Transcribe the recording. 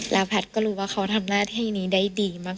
แล้วแพทย์ก็รู้ว่าเขาทำหน้าที่นี้ได้ดีมาก